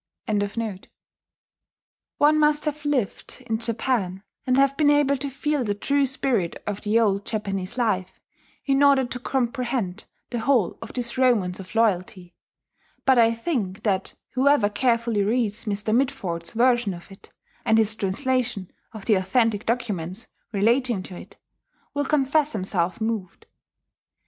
] One must have lived in Japan, and have been able to feel the true spirit of the old Japanese life, in order to comprehend the whole of this romance of loyalty; but I think that whoever carefully reads Mr. Mitford's version of it, and his translation of the authentic documents relating to it, will confess himself moved.